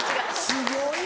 すごいな。